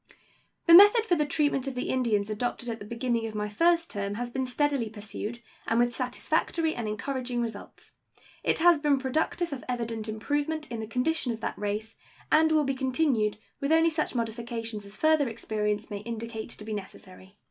The method for the treatment of the Indians adopted at the beginning of my first term has been steadily pursued, and with satisfactory and encouraging results. It has been productive of evident improvement in the condition of that race, and will be continued, with only such modifications as further experience may indicate to be necessary.